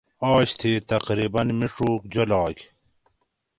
آج تھی تقریباً موڄوک جولاگ